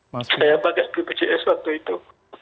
saya pakai bpjs waktu itu